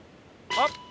あっ！